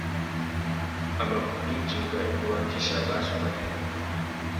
A mà kutu dinga indi wa dïchî abachia matê.